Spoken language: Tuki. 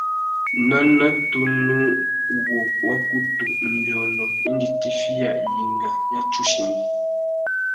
Nana tunu wu wá kutu nʼbiônô indi tifiya yenga ya tsuchimi.